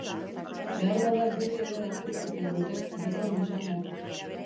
Beharbada guri ere hartuko zigutek gizon-usaina.